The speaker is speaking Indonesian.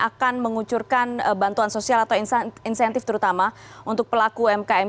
akan mengucurkan bantuan sosial atau insentif terutama untuk pelaku umkm